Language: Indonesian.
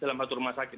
dalam satu rumah sakit